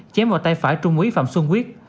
chém vào tay phải trung úy phạm xuân quyết